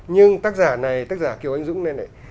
nhưng tác giả này tác giả kiều anh dũng này